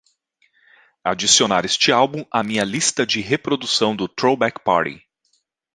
adicionar este álbum à minha lista de reprodução do Throwback Party